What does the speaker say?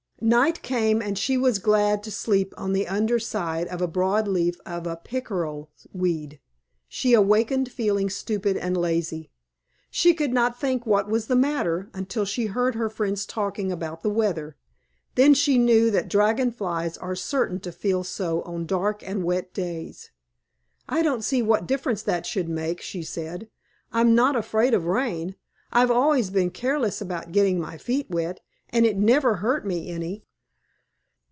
Night came, and she was glad to sleep on the under side of a broad leaf of pickerel weed. She awakened feeling stupid and lazy. She could not think what was the matter, until she heard her friends talking about the weather. Then she knew that Dragon Flies are certain to feel so on dark and wet days. "I don't see what difference that should make," she said. "I'm not afraid of rain. I've always been careless about getting my feet wet and it never hurt me any."